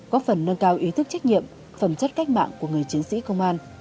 góp phần nâng cao ý thức trách nhiệm phẩm chất cách mạng của người chiến sĩ công an